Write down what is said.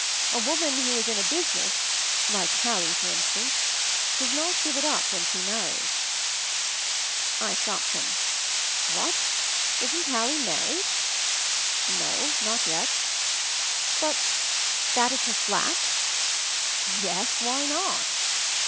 A woman who is in a business — like Hallie, for in stance—does not give it up when she mar ries." I stopped him. "What! Isn't Hallie married ?" "No— not yet." "But— that is her flat?" Yes; why not?"